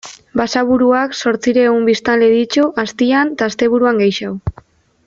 Basaburuak zortziehun biztanle ditu astean eta asteburuan gehiago.